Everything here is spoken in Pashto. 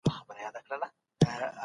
هغه دولتونه چي قانون نه لري ضعيف دي.